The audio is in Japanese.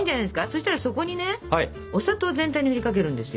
そしたらそこにねお砂糖を全体にふりかけるんですよ。